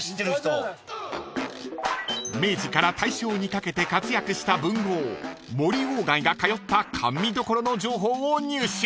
［明治から大正にかけて活躍した文豪森外が通った甘味処の情報を入手］